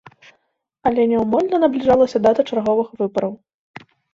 Але няўмольна набліжалася дата чарговых выбараў.